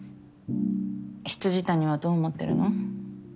未谷はどう思ってるの？